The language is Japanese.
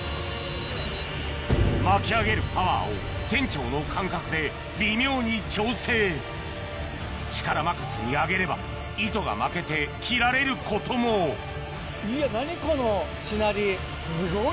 巻き上げるパワーを船長の感覚で微妙に調整力任せに上げれば糸が負けて切られることもすごい！